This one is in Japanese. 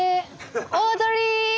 オードリー！